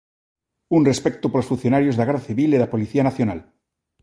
Un respecto polos funcionarios da Garda Civil e da Policía Nacional.